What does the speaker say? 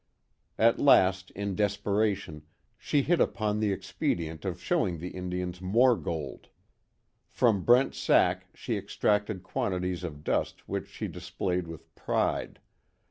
At last, in desperation, she hit upon the expedient of showing the Indians more gold. From Brent's sack she extracted quantities of dust which she displayed with pride.